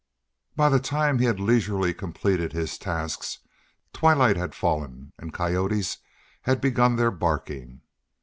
By the time he had leisurely completed his tasks twilight had fallen and coyotes had begun their barking.